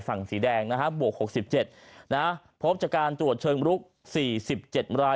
ฝั่งสีแดงบวก๖๗พบจากการตรวจเชิงลุก๔๗ราย